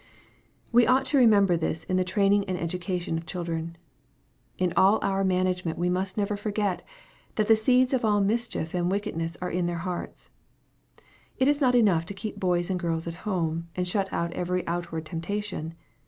We ought to remember this in the training and edu cation of children. In all our management we must never forget, that the seeds of all mischief and wickedness are in their hearts. It is not enough to keep boys and girls at home, and shut out every outward temptation.